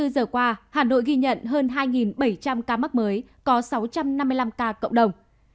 hai mươi giờ qua hà nội ghi nhận hơn hai bảy trăm linh ca mắc mới có sáu trăm năm mươi năm ca cộng đồng